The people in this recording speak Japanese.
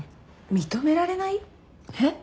認められない？えっ？